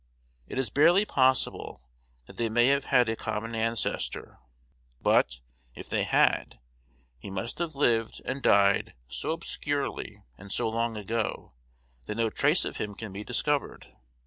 It is barely possible that they may have had a common ancestor; but, if they had, he must have lived and died so obscurely, and so long ago, that no trace of him can be discovered.